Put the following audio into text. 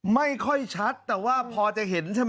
ไม่ค่อยชัดแต่ว่าพอจะเห็นใช่ไหม